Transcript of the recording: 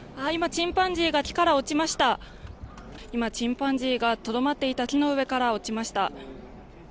チンパンジーがとどまっていた木の上から落ちました。